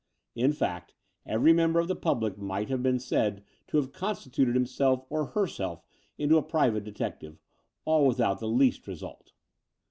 In fact, every member of the public might have been said to have constituted himself or herself into a private detective — ^all without the least result.